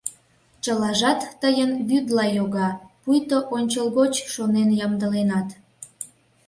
Чылажат тыйын вӱдла йога, пуйто ончылгоч шонен ямдыленат.